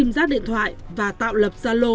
đem ra điện thoại và tạo lập gia lô